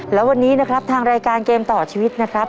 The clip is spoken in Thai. และวันนี้นะครับทางรายการเกมต่อชีวิตนะครับ